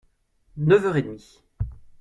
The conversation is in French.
Neuf heures et demie !…